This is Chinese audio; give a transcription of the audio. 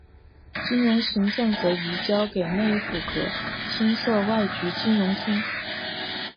金融行政则移交给内阁府新设外局金融厅。